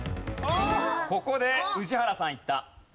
ここで宇治原さんいった。